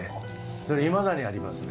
それいまだにありますね。